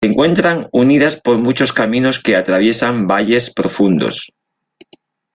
Se encuentran unidas por muchos caminos que atraviesan valles profundos.